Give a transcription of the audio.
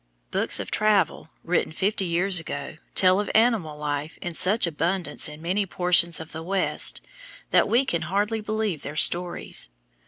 Books of travel written fifty years ago tell of animal life in such abundance in many portions of the West that we can hardly believe their stories.